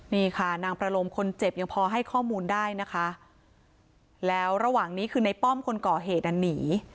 นี่ค่ะนางประลมคนเจ็บยังพอให้ข้อมูลได้นะคะแล้วระหว่างนี้คือในป้อมคนก่อเหตุนั้นหนี